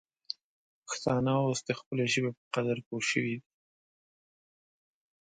پښتانه اوس د خپلې ژبې په قدر پوه سوي دي.